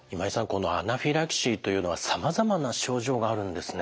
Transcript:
このアナフィラキシーというのはさまざまな症状があるんですね。